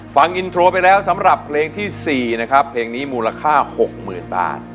ฟังอินโทรไปแล้วสำหรับเพลงที่๔นะครับเพลงนี้มูลค่า๖๐๐๐บาท